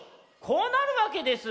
こうなるわけです！